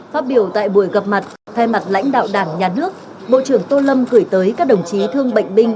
phát biểu tại buổi gặp mặt thay mặt lãnh đạo đảng nhà nước bộ trưởng tô lâm gửi tới các đồng chí thương bệnh binh